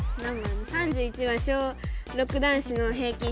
３１番「小６男子の平均身長」。